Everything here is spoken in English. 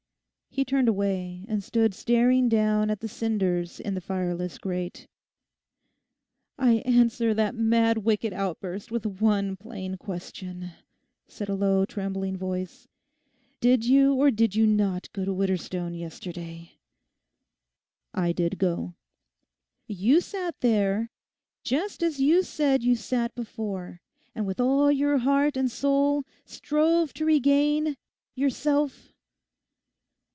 He turned away and stood staring down at the cinders in the fireless grate. 'I answer that mad wicked outburst with one plain question,' said a low, trembling voice; 'did you or did you not go to Widderstone yesterday?' 'I did go.' 'You sat there, just as you said you sat before; and with all your heart and soul strove to regain—yourself?